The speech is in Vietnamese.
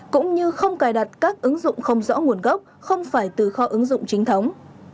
cũng như không cài đặt các ứng dụng không rõ nguồn gốc không phải từ kho ứng dụng chính thống